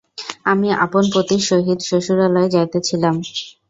আমি আপন পতির সহিত শ্বশুরালয়ে যাইতেছিলাম।